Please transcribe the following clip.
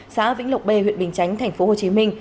xã vĩnh lộc b huyện bình chánh tp hcm